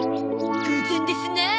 偶然ですなあ。